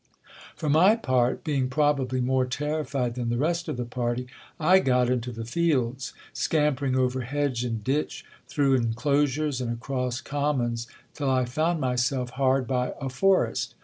For my part, being probably more terrified than the rest of the party, I got into the fields, scampering over hedge and ditch, through enclosures and across commons, till I found myself hard by a forest.